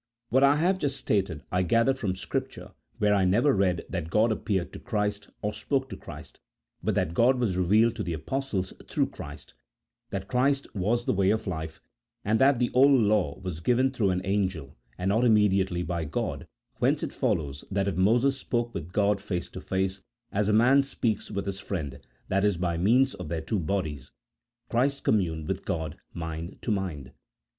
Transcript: What I have just stated I gather from Scrip ture, where I never read that God appeared to Christ, or spoke to Christ, but that God was revealed to the Apostles through Christ ; that Christ was the Way of Life, and that the old law was given through an angel, and not imme diately by God ; whence it follows that if Moses spoke with G od face to face as a man speaks with his friend (i.e. by means of their two bodies) Christ communed with God mind to mind.